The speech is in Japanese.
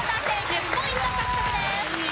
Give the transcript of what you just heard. １０ポイント獲得です。